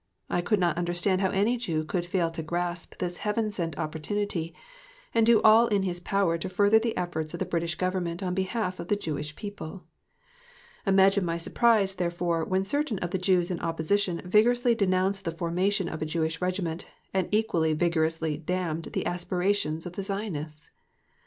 I could not understand how any Jew could fail to grasp this Heaven sent opportunity and do all in his power to further the efforts of the British Government on behalf of the Jewish people. Imagine my surprise, therefore, when certain of the Jews in opposition vigorously denounced the formation of a Jewish Regiment, and equally vigorously damned the aspirations of the Zionists!